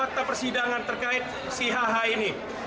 ini adalah fakta persidangan terkait si hh ini